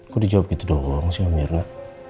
kok dijawab gitu doang sama mirna